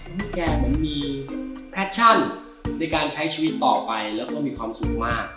ให้แกเหมือนมีแฟชั่นในการใช้ชีวิตต่อไปแล้วก็มีความสุขมาก